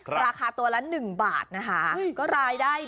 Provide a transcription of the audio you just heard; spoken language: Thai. ราคาตัวละ๑บาทนะคะก็รายได้